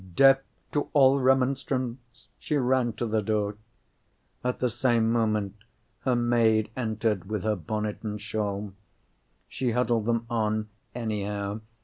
Deaf to all remonstrance, she ran to the door. At the same moment, her maid entered with her bonnet and shawl. She huddled them on anyhow.